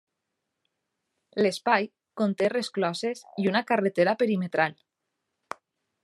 L’Espai conté rescloses i una carretera perimetral.